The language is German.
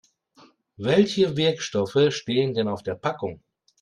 Welche Wirkstoffe stehen denn auf der Packung?